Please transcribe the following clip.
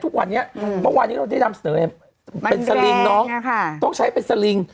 ทุกวันนี้อืมบางวันนี้เราได้ยำเสนอเนี้ยเป็นน้องต้องใช้เป็น